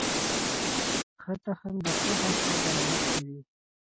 ښه تخم د ښه حاصل ضمانت کوي.